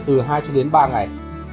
từ hai ba ngày